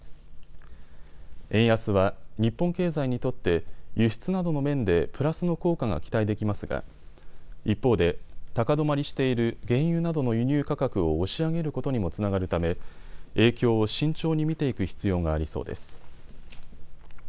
円安は日本経済にとって輸出などの面でプラスの効果が期待できますが一方で高止まりしている原油などの輸入価格を押し上げることにもつながるため影響を慎重に見ていく必要がありそうです。